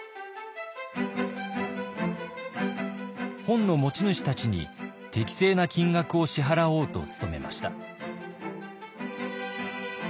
本の持ち主たちに適正な金額を支払おうと努めました。